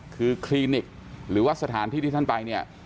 คือคลินิกหรือว่าสถานที่ที่ท่านไปเนี่ย